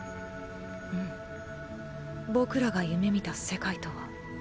うん僕らが夢見た世界とは違ったよ。